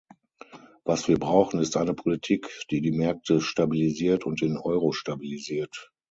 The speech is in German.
Was wir brauchen, ist eine Politik, die die Märkte stabilisiert und den Euro stabilisiert.